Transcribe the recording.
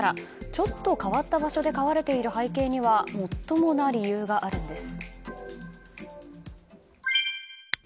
ちょっと変わった場所で飼われている背景にはもっともな理由があるんです。